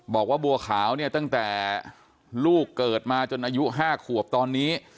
บอกว่าบัวขาวเนี่ยตั้งแต่ลูกเกิดมาจนอายุ๕ขวบตอนนี้